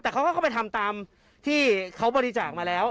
แต่เขาก็เข้าไปทำตามที่เขาบริจาคมาแล้ว